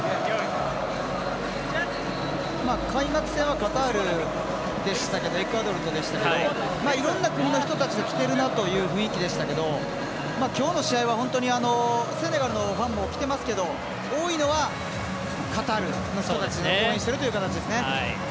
開幕戦はエクアドルとでしたけどいろんな国の人たちが来ているなという雰囲気でしたけど、今日の試合は本当にセネガルのファンも来てますけど多いのはカタールの人たちが応援しているという感じですね。